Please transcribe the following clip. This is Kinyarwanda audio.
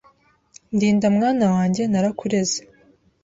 Ndinda mwana wanjye, narakureze,